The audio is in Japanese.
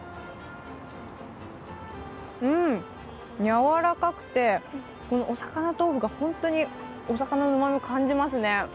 うん、やわらかくてお魚豆腐が本当にお魚のうまみ感じますね。